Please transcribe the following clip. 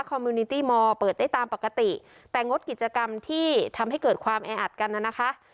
มิวนิตี้มอร์เปิดได้ตามปกติแต่งดกิจกรรมที่ทำให้เกิดความแออัดกันน่ะนะคะ